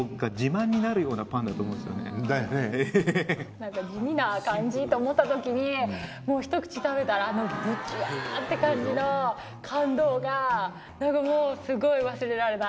なんか地味な感じと思ったときにもうひと口食べたらあのブチャって感じの感動がなんかもうスゴい忘れられない。